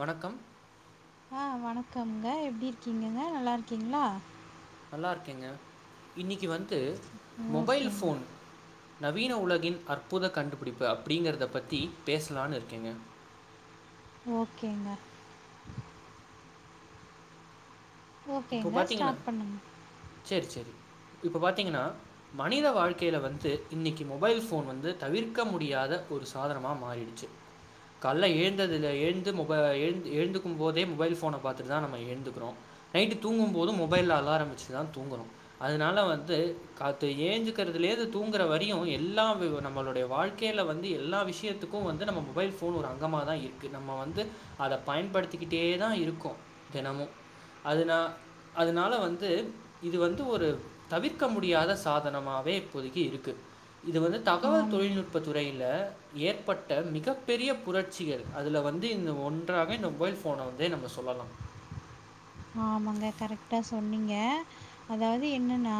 வணக்கம் ஆ வணக்கம்ங்க எப்டி இருக்கீங்கங்க நல்லாருக்கீங்ளா நல்லாருக்கேங்க இன்னிக்கி வந்து மொபைலு ஓகேங்க ஃபோன் நவீன உலகின் அற்புத கண்டுபிடிப்பு அப்டிங்கிறத பத்தி பேஸ்லான் இருக்கேங்க ஓகேங்க இப்போ ஓகேங்க பாத்தீங்கனா ஸ்டார்ட் பண்ணுங்க சேர் சேரி இப்ப பாத்தீங்கனா மனித வாழ்க்கைல வந்து இன்னிக்கி மொபைல் ஃபோன் வந்து தவிர்க்க முடியாத ஒரு சாதனமா மாறிடுச்சு கால்ல ஏழ்ந்ததுல ஏழ்ந்து மொப ஏழ்ந்து ஏழ்ந்துக்கும் போதே மொபைல் ஃபோன பாத்துட்டு தா நம்ம ஏழ்ந்துக்கிறோ நைட்டு தூங்கும் போது மொபைல்ல அலாரம் வெச்சிட்டு தா தூங்கணு அதுனால வந்து கால்த்து ஏழ்ந்துக்கறதுலேர்ந்து தூங்கற வரியு எல்லா வி வ நம்மளுடைய வாழ் கைல வந்து எல்லா விஷ்யத்துக்கு வந்து நம்ம மொபைல் ஃபோன் ஒரு அங்கமாக தா இர்க்கு நம்ம வந்து அத பயன்படுத்திக்கிட்டே தா இருக்கோ தெனமு அதுனா அதுனால வந்து இது வந்து ஒரு தவிர்க்க முடியாத சாதனமாவே இப்போதிக்கு இருக்கு இது வந்து தகவல் ஆமாம் தொழில்நுட்ப துறையில ஏற்பட்ட மிகப் பெரிய புரட்சிகள் அதுல வந்து இந்த ஒன்றாக இந்த மொபைல் ஃபோன வந்தே நம்ம சொல்லலா ஆமாங்க கரெக்ட்டா சொன்னீங்க அதாவ்து என்னன்னா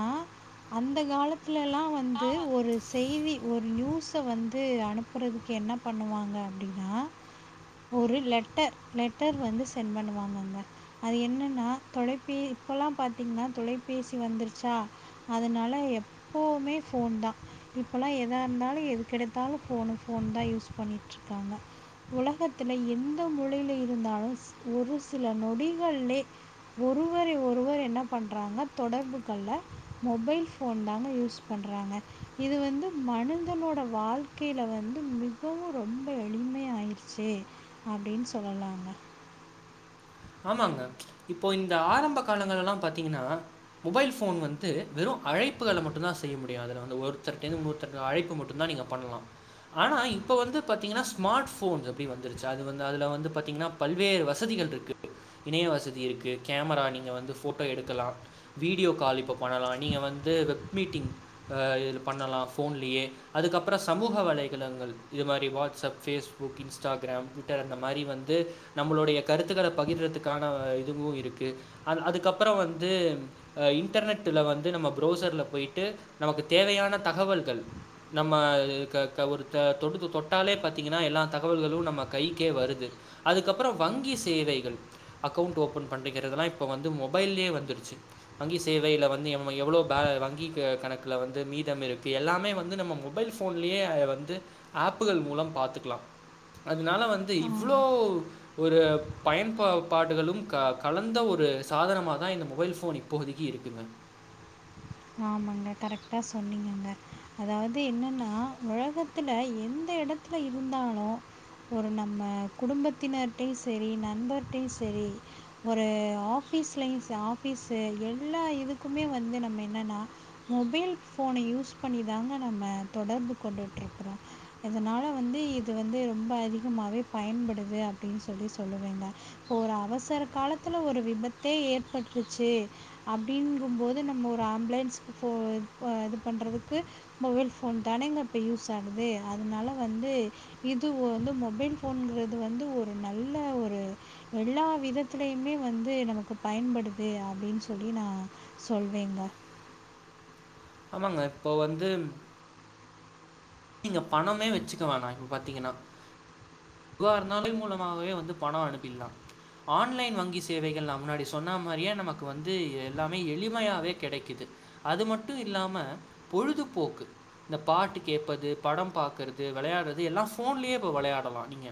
அந்த காலத் துலல்லா வந்து ஒரு செய்தி ஒரு நியூஸ் ஸ வந்து அனுப்பறதுக்கு என்ன பண்ணுவாங்க அப்டின்னா ஒரு லெட்டர் லெட்டர் வந்து சென்ட் பண்ணுவாங்கங்க அது என் னன்னா தொலைபே இப்பல்லா பாத்தீங்னா தொலைபேசி வந்துருச்சா அதுனால எப் போமே ஃபோன் தா இப்பல்லா எதா இர்ந்தாலு எதுக்கெடுத்தாலு ஃபோனு ஃபோன் தா யூஸ் பண்ணிட்ருக்காங்க உலகத்துல எந்த மூலைல இருந்தாலும் ஒரு சில நொடிகளலே ஒருவரை ஒருவர் என்ன பண்றாங்க தொடர்புக்கொள்ள மொபைல் ஃபோன் தாங்க யூஸ் பண்றாங்க இது வந்து மனிதனோட வாழ்க்கைல வந்து மிகவு ரொம்ப எளிமை ஆயிர்ச் சு அப்டின் சொல்லலாங்க ஆமாங்க இப்போ இந்த ஆரம்ப காலங்களல்லா பாத்தீங்கன்னா மொபைல் ஃபோன் வந்து வெறும் அழைப்புகள மட்டுந்தா செய்ய முடியு அதுல வந்து ஒருத்தர்ட்டர்ந்து இன்னோர்த்தருக் அழைப்பு மட்டுந்தா நீங்க பண்லா ஆனா இப்ப வந்து பாத்தீங்கனா ஸ்மாட் ஃபோன்ஸ் அப்டி வந்துருச்சு அது வந்து அதுல வந்து பாத்தீங்னா பல்வேறு வசதிகள்ருக்கு இணைய வசதி இருக்கு கேமரா நீங்க வந்து ஃபோட்டோ எடுக்கலா வீடியோ கால் இப்போ பண்ணலா நீங்க வந்து வெப் மீட்டிங் அ இதுல பண்ணலா ஃபோன்லியே அதுக்கப்றோ சமூக வலைதளங்கள் இது மாரி வாட்ஸ்அப், ஃபேஸ்புக், இன்ஸ்டாகிராம், ட்விட்டர் அந்த மாரி வந்து நம்மளுடைய கருத்துக்கள பகிர்றதுக்கான இதுவு இருக்கு அன் அதுக்கப்பறோ வந்து அ இன்டர்நெட்ல வந்து நம்ம ப்ரௌசர்ல போயிட்டு நமக்கு தேவையான தகவல்கள் நம்ம க க ஒருத்த தொடுது தொட்டாலே பாத்தீங்கனா எல்லா தகவல்களு நம்ம கைக்கே வருது அதுக்கப்பறோ வங்கி சேவை கள் அக்கவுண்ட் ஓப்பன் பண்ணிக்கிறதுலா இப்போ வந்து மொபைல்லே வந்துருச்சு வங்கி சேவைல வந்து எம்ம எவ்வளோ பேல வங்கி கெ கணக்குல வந்து மீதம் இருக்கு எல்லாமே வந்து நம்ம மொபைல் ஃபோன்லயே வந்து ஆப்புகள் மூலம் பாத்துக்கலா அதுனால வந்து ஆ இவ்ளோ ஒரு பயன்ப பாடுகளும் க கலந்த ஒரு சாதனமா தா இந்த மொபைல் ஃபோன் இப்போதிக்கு இருக்குங்க ஆமாங்க கரெக்டா சொன்னீங்கங்க அதாவ்து என்னன்னா உலகத்துல எந்த இடத் துல இருந்தாலு ஒரு நம்ம குடும்பத்தினர்டையும் சரி நண்பர்ட்டயும் சரி ஒரு ஆபீஸ்லயும் ச ஆபீஸு எல்லா இதுக்குமே வந்து நம்ம என்னன்னா மொபைல் ஃபோன யூஸ் பண்ணி தாங்க நம்ம தொடர்பு கொண்டுட்டு இருக்கறோம் இதனால வந்து இது வந்து ரொம்ப அதிகமாவே பயன்படுது அப்டின்னு சொல்லி சொல்லுவங்க ஒரு அவசர காலத்துல ஒரு விபத்தே ஏற்பட்டுச்சு அப்டிங்கும்போது நம்ம ஒரு ஆம்பலன்ஸ போ இது பண்றதுக்கு மொபைல் மொபைல் ஃபோன் தானேங்க இப்போ யூஸ் ஆகுது அதனால வந்து இது வந்து மொபைல் போனுங்கறது வந்து ஒரு நல்ல ஒரு எல்லா விதத்லயுமே வந்து நமக்கு பயன்படுது அப்டின்னு சொல்லி நா சொல்வேங்க ஆமாங்க இப்போ வந்து நீங்க பணமே வச்சுக்க வேணாம் இப்ப பாத்தீங்கன்னா [unintelligible] மூலமாகாவவே வந்து பணம் அனுப்பிலாம் ஆன்லைன் வங்கி சேவைகள் நா முன்னாடி சொன்ன மாரியே நமக்கு வந்து எல்லாமே எளிமையாவே கெடைக்குது அது மட்டும் இல்லாம பொழுதுபோக்கு இந்த பாட்டு கே படம் பாக்கறது வெளயாடுறது எல்லாம் போன்லயே வெளயாடலாம் நீங்க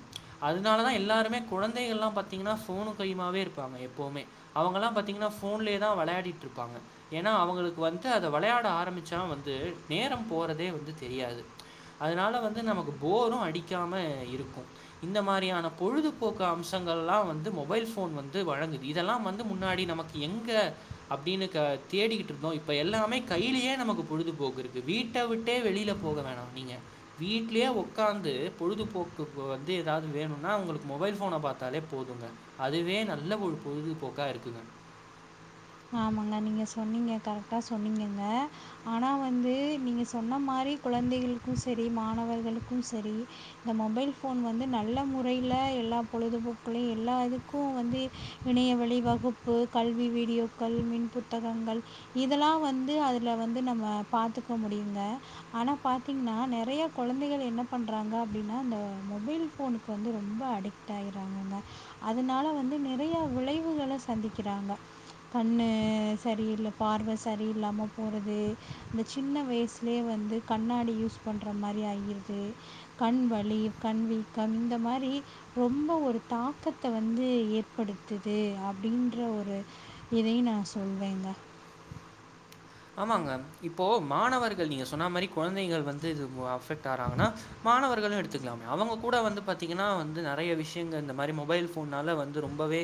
அதனால தா எல்லாருமே குழந்தைகள்லாம் பார்த்திங்கன்னா ஃபோனு கையமாவவே இருப்பாங்க எப்போமே அவங்கல்லாம் பாத்தீங்கன்னா போன்லயே தா வளையாடிட்டுருப்பாங்க ஏன்னா அவங்களுக்கு வந்து அத வளையாட ஆரம்பிச்சா வந்து நேரம் போறதே வந்து தெரியாது அதனால வந்து நமக்கு போரும் அடிக்காம இருக்கும் இந்த மாரியான பொழுதுபோக்கு அம்சங்கள்ல்லாம் வந்து மொபைல் போன் வந்து வழங்குது இதெல்லாம் வந்து முன்னாடி நமக்கு எங்க அப்டின்னு க தேடிக்கிட்டு இருந்தோம் இப்ப எல்லாமே கைலயே பொழுதுபோக்கு இருக்கு வீட்டு வீட்ட விட்டே வெளில போக வேணாம் நீங்க வீட்லயே ஒக்காந்து பொழுதுபோக்குக்கு வந்து ஏதாவது வேணும்னா அவங்களுக்கு மொபைல் ஃபோன பாத்தாலே போதுங்க அதுவே நல்ல ஒரு பொழுதுபோக்கா இருக்குங்க ஆமாங்க நீங்க சொன்னீங்க கரெக்டா சொன்னிங்கங்க ஆனா வந்து நீங்க சொன்ன மாரி குழந்தைகளுக்கும் சரி மாணவர்களுக்கும் சரி இந்த மொபைல் போன் வந்து நல்ல முறைல எல்லா பொழுதுபோக்களையும் எல்லா இதுக்கும் வந்து இணையவழி வகுப்பு கல்வி வீடியோ கல் மின் புத்தகங்கள் இதெல்லா வந்து அதுல வந்து நம்ம பார்த்துக்க முடியுங்க ஆனா பாார்த்தீங்கன்னா நெறைய கொழந்தைகள் என்ன பண்றாங்க அப்டின்னா இந்த மொபைல் ஃபோனுக்கு வந்து ரொம்ப அடிக்க டைறாயிறாங்கங்க அதனால வந்து நெறைய விளைவுகள சந்திக்கறாங்க கண் சரியில்ல பார்வ சரியில்ல்லாம போறது அந்த சின்ன வயசு லயே வந்து கண்ணாடி யூஸ் பண்ற மாரி ஆகிடுது கண்வலி கண்வீக்கம் இந்த மாரி ரொம்ப ஒரு தாக்கத்த வந்து ஏற்படுத்துது அப்டின்ற ஒரு இதையு நா சொல்வேங்க ஆமாங்க இப்போ மாணவர்கள் நீங்க சொன்ன மாரி கொழந்தைங்கள் வந்து இது ஆறாங்கன்னா மாணவர்களு எடுத்து க்கலாமே அவங்க கூட வந்து பார்த்தீங்கன்னா வந்து நறைய விஷயங்கள இந்த மாரி மொபைல் ஃபோன்னால வந்து ரொம்பவே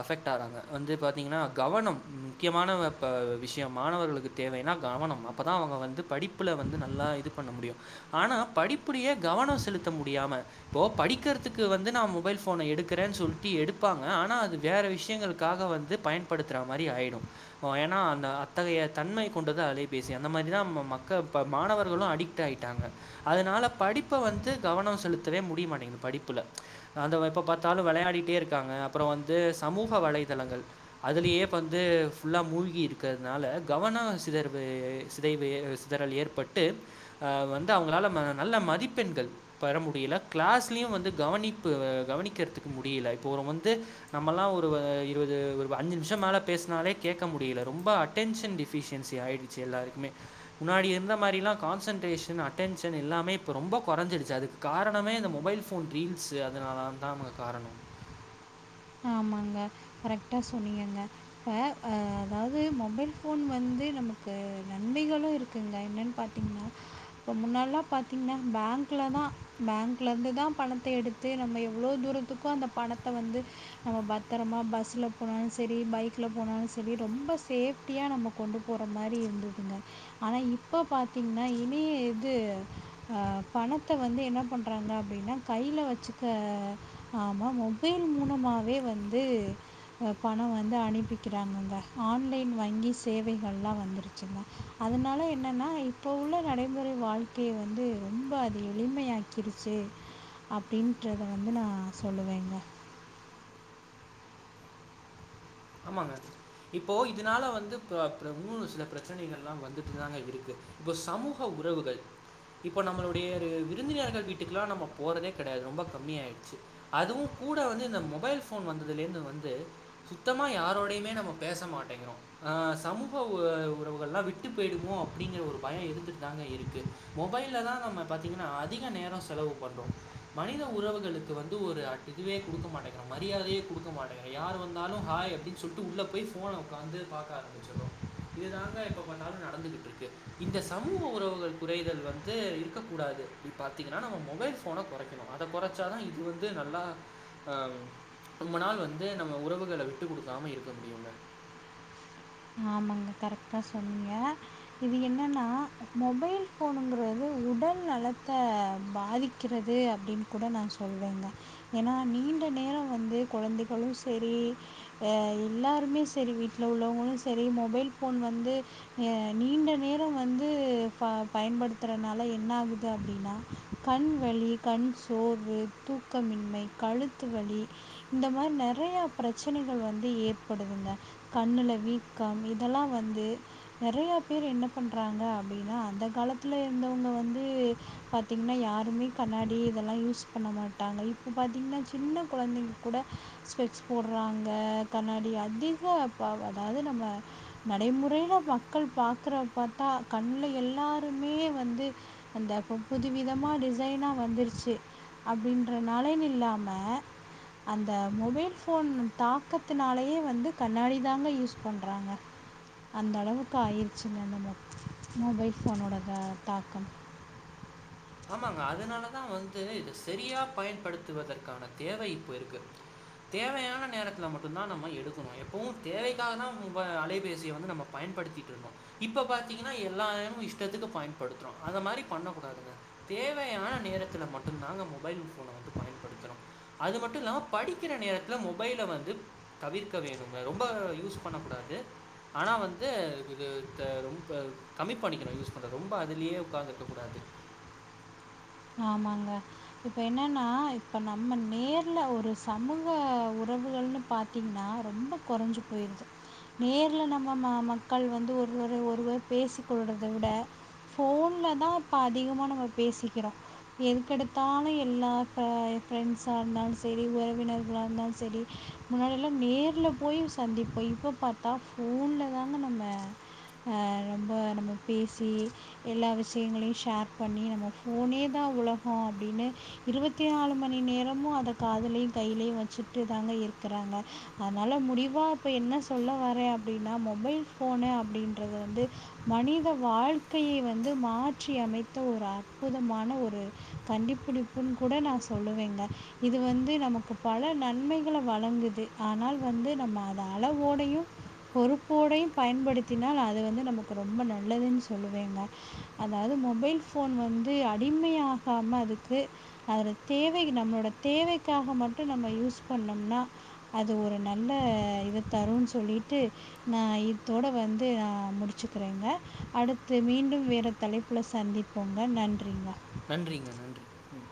அஃபெக்ட் ஆறாங்க வந்து பார்த்திங்கன்னா கவனம் முக்கியமான இப்ப விஷ்யம் மாணவர்களுக்கு தேவைனா கவனம் அப்போதா அவங்க வந்து படிப்புல வந்து நல்லா இது பண்ண முடியு ஆனா படிப்புலயே கவனம் செலுத்த முடியாம இப்போ படிக்கறதுக்கு வந்து நா மொபைல் போன எடுக்கறேன்னு சொல்ட்டு எடுப்பாங்க ஆனா அது வேற விஷயங்களுக்காக வந்து பயன்படுத்துற மாரி ஆயிடு ஏன்னா ஆனா அத்தகைய தன்மை கொண்டது அலைபேசி அந்த மாரிதா ம மக்க மாணவர்களூ அடிக்ட் ஆயிட்டாங்க அதனால படிப்ப வந்து கவனோ செலுத்தவே முடியமாட்டேங்குது படிப்புல அது எப்ப பாத்தாலூ விளையாடிட்டே இருக்காங்க அப்ரொ வந்து சமூக வலைதளங்கள் அதுலயே வந்து ஃபுல்லா மூழ்கி இருக்கத் னால கவன சிதர்வு சிதைவு சிதறல் ஏற்பட்டு அ வந்து அவங்களால நல்ல மதிப்பெண்கள் பெற முடியல கிளாஸ்லயூ வந்து கவனிப்பு கவனிக்குறதுக்கு முடீல இப்போ ஒரு வந்து நம்மல்லா ஒருவ இருவது ஒருவ அஞ்சு நிமிஷோ மேல பேஸ்னாலே கேக்க முடில ரொம்ப அட் டென்ஷன் டிஃபிஷியன்சி ஆயிடுச்சு எல்லாருக்குமே முன்னாடி இருந்த மாரிலா கான்சன்ட்ரேஷன் அட்டென்ஷன் எல்லாமே இப்போ ரொம்ப கொறஞ்சிடுச்சு அதுக் காரணமே இந்த மொபைல் ஃபோன் ரீல்ஸு அதனால தா அவங் காரணம் ஆமாங்க கரெக்டா சொன்னிங்கங்க இப்ப ஆ அதாவது மொபைல் வந்து ஃபோன் வந்து நமக்கு நன்மைகளூ இருக்குங்க என்னன்னு பார்த் [inaudible] இப்ப முன்னல்லா பாத்தீங்கன்னா பேங்க்ல தா பேங்க்ல இருந்து தா பணத்த எடுத் த்தே நம்ம எவ்லோ தூரத்துக்கு அந்த பணத்த வந்து நம்ம பத்தரமா பஸ்ல போனாலூ செரி பைக்ல போனாலூ செரி ரொம்ப சேஃப்டியா நம்ப கொண்டு போற மாறி இருந்ததுங்க ஆனா இப்ப பாத்தீங்னா இனி இது அ பணத்த வந்து என்ன பண்றாங்க அப்டின்னா கைல வச்சுக்க ஆமா மொபைல் மூலமாவே வந்து பனொ வந்து அனுப்பிக்கிறாங்கங்க ஆன்லைன் வங்கி சேவைகள்லா வந்துருச்சுங்க அதனால என்னன்னா இப்போ உள்ள நடைமுறை வாழ்க்கைய வந்து ரொம்ப அது எளிமையாக் ருச்சு அப்படின்றத வந்து நா சொல்லுவேங்க ஆமாங்க இப்போ இதனால வந்து ப பிறகூ சில பிரச்சனைகள்லா வந்துட்டு தாங்க இருக்கு இப்போ சமூக உறவுகள் இப்போ நம்மளுடைய ஒரு விருந்தினர்கள் வீட்டுக்கெலா நம்ம போறதே கெடையாது ரொம்ப கம்மியா ஆயிடுச்சு அதுவூ கூட வந்து இந்த மொபைல் ஃபோன் வந்ததுலேர்ந்து வந்து சுத்தமா யாரோடையுமே நம்ம பேச மாட்டேங்கிறோ அ சமூக ஊ உறவுகல்லா விட்டு போய்டுமோ அப்டிங்கிற ஒரு பயம் இருந்துட்டு தாங்க இருக்கு மொபைல்ல தா நம்ம பாத்தீங்ன்னா அதிக நேரொ செலவு பண்றோ மனித உறவுகளுக்கு வந்து ஒரு அது இதுவே குடுக்க மாட்டேங்குறோ மரியாதையே குடுக்க மாட்டேங்குறோ யாரு வந்தாலு ஹாய் அப்டினு சொல்ட்டு உள்ள போய் ஃபோன உக்காந்து பாக்க ஆரம்பிச்சிறோ இதுதாங்க எப்போ பாத்தாலு நடந்துகுட்ருக்கு இந்த சமூக உறவுகள் குறைதல் வந்து இருக்கக்கூடாது அப்டி பாத்தீங்கன்னா நம்ம மொபைல் ஃபோன குறைக்க கனு அத கொரச்சாதா இது வந்து நல்லா அ ரொம்ப நாள் வந்து நம்ம உறவுகள விட்டு விட்டு கொடுக்காம இருக்க முடியும்ங்க ஆமாங்க கரெக்ட்டா சொன்னீங்க இது என்னன்னா மொபைல் போனுங்கறது உடல் நலத்தை பாதிக் கிறது அப்படின்னு கூட நா சொல்லுவேங்க ஏன்னா நீண்ட நேரம் வந்து குழந்தைகளூ செரி அ எல்லாருமே செரி வீட்டுல உள்ளவங்களும் செரி மொபைல் போன் வந்து அ நீண்ட நேரம் வந்து ப பயன்படுத்துறதுனால என்ன ஆகுது அப்டின்னா கண் வலி கண் சோர்வு தூக்கமின்மை கழுத்து வலி இந்த மாதிரி நெறய பிரச்சனைகள் வந்து ஏற்படுதுங்க கண்ணுல வீக் கம் இதெல்லா வந்து நெறய பேர் என்ன பண்றாங்க அப்டினா அந்த காலத்துல இருந்தவங்க வந்து பாத்தீங்கன்னா யாருமே கண்ணாடி இதெல்லாம் யூஸ் பண்ண மாட்டாங்க இப்போ பாத்தீங்கன்னா சின்ன குழந்தைங்க கூட ஸ்பெக்ஸ் போட்றாங்க கண்ணாடி அதிக அதாவது நம்ம நடைமுறையில மக்கள் பார்க்கறத பார்த்தா கண்ணுலே எல்லோருமே வந்து அந்த புது விதமா டிசைனா வந்துருச்சு அப்டின்றனாலன்னு இல்லாம அந்த மொபைல் போன் தாக்கத்தினாலயே வந்து கண்ணாடி தாங்க யூஸ் பண் [unintelligible] அந்த அளவுக்கு ஆய்றுச்சுங்க அந்த மொபைல் போனோட ஆ தாக்கம் ஆமாங்க அதனாலதா வந்து இத செரியா பயன்படுத்துவதற்கான தேவை இப்பருக்கு தேவையான நேரத்தில மட்டுந்தா நம்ம எடுக்கணு எப்போவு தேவைக்காக தா உவ அலைபேசிய வந்து நம்ம பயன்படுத்திட்ருந்தோ இப்ப பாத்தீங்கன்னா எல்லாயமு இஷ்டத்துக்கு பயன்படுத்துறோ அந்த மாரி பண்ண கூடாதுங்க தேவையான நேரத்துல மட்டுந் தாங்க மொபைல் போன வந்து பயன்படுத்தணு அது மட்டு இல்லாம படிக்கிற நேரத்துல மொபைல வந்து தவிர்க்க வேணுங்க ரொம்ப யூஸ் பண்ண கூடாது ஆனா வந்து இது த்த ரொம்ப கம்மி பண்ணிக்கணு யூஸ் பண்றத ரொம்ப அதுலயே உக்காந்து இருக்கூடாது ஆமாங்க இப்ப என்னன்னா இப்ப நம்ம நேர்ல ஒரு சமூக உறவுகள்னு பாத் தீங்னா ரொம்ப குறைஞ்சு போய்ருது நேர்ல நம்ம ம மக்கள் வந்து ஒருவர ஒருவர் பேசிக் கொள்றத விட போன்ல தா இப்ப அதிகமா நம்ம பேசிக்கிறோ எதுக்கெடுத்தாலு எல்லா ஆ ஃப்ரெண்ட்ஸா இருந்தாலு செரி உறவினர்களா இருந்தாலு செரி முன்னாடியெல்லா நேர்ல போய் சந்திப்போ இப்போ பாத்தா ஃபோன்ல தாங்க நம்ம அ ரொம்ப நம்ம பேசி எல்லா விஷயங்களையு ஷேர் பண்ணி நம்ம போனே தா உலகோ அப்டின்னு இருவத்தி நாலு மணி நேரமு அத காதலையு கைலயு வச்சுட்டு தாங்க இருக்குறாங்க அதனால முடிவா இப்போ என்ன சொல்ல வரேன் அப்டின்னா மொபைல் ஃபோனு அப்டின்றது வந்து மனித வாழ்க்கைய வந்து மாற்றியமைத்த ஒரு ஆள் அற்புதமான கண்டுபிடிப்புன்னு கூட நா சொல்லுவேங்க இது வந்து நமக்கு பல நன்மைகள வழங்குது ஆனால் வந்து நம்ம அத அளவோடயு பொறுப்போடையும் பயன்படுத்தினால் அது வந்து நமக்கு ரொம்ப நல்லதுன் சொல்லுவேங்க அதாவ்து மொபைல் ஃபோன் வந்து அடிமையாகாம அதுக்கு அது தேவை நம்மளோட தேவைக்காக மட்டு நம்ம யூஸ் பண்ணோம்னா அது ஒரு நல்ல இத தருன் சொல்லிட்டு நா இத்தோட வந்து அ முடிச்சுக்கிறேங்க அடுத்து மீண்டும் வேற தலைப் ப்புல சந்திப்போங்க நன்றிங்க நன்றிங்க நன்றி ம்